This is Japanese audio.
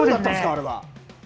あれは。